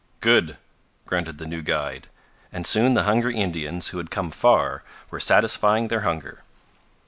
"Good!" grunted the new guide and soon the hungry Indians, who had come far, were satisfying their hunger.